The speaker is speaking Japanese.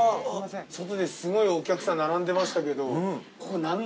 外ですごいお客さん並んでましたけど。